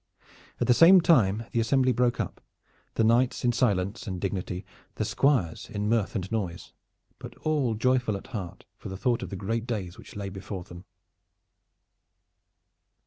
At the same time the assembly broke up, the knights in silence and dignity, the squires in mirth and noise, but all joyful at heart for the thought of the great days which lay before them.